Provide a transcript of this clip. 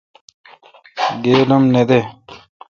گیل ام نہ دہ۔